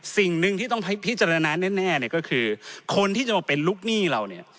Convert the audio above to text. สิ่งหนึ่งที่ต้องพิจารณาแน่เนี่ยก็คือคนที่จะมาเป็นลูกหนี้เราเนี่ย